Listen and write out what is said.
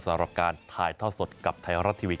สำหรับการถ่ายทอดสดกับไทยรัฐทีวี